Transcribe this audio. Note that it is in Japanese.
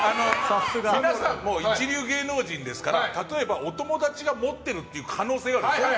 皆さんも一流芸能人ですから例えばお友達が持っているという可能性があるでしょう。